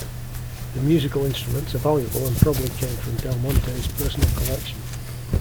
The musical instruments are valuable and probably came from Del Monte's personal collection.